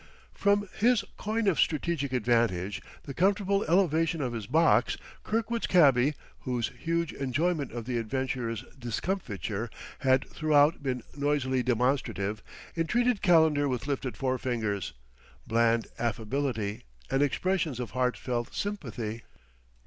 From his coign of strategic advantage, the comfortable elevation of his box, Kirkwood's cabby, whose huge enjoyment of the adventurers' discomfiture had throughout been noisily demonstrative, entreated Calendar with lifted forefinger, bland affability, and expressions of heartfelt sympathy.